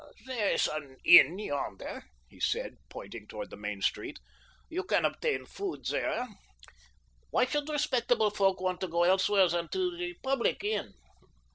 "There is an inn yonder," he said, pointing toward the main street. "You can obtain food there. Why should respectable folk want to go elsewhere than to the public inn?